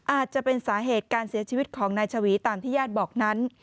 อาจจะเป็นสาเหตุการเสียชีวิตของนายชวีตามที่ญาติบอกนั้น